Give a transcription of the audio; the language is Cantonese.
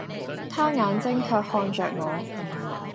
他眼睛卻看着我。